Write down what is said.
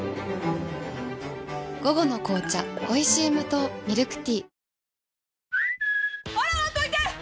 午後の紅茶おいしい無糖ミルクティー